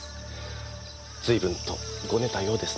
随分とごねたようですね。